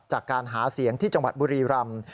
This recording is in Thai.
จากการหาเสียงที่จังหวัดบุรีรำ